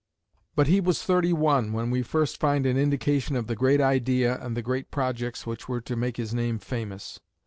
But he was thirty one when we first find an indication of the great idea and the great projects which were to make his name famous.